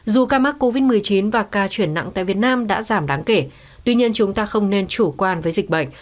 dù ca mắc covid một mươi chín và ca chuyển nặng tại việt nam đã giảm đáng kể tuy nhiên chúng ta không nên chủ quan với dịch bệnh